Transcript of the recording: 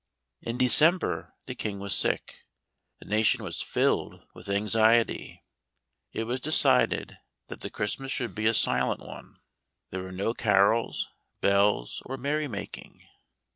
In December the King was sick. The nation was filled with anxiety. It was decided that the Christmas should be a silent one ; there were no carols, bells or merry making.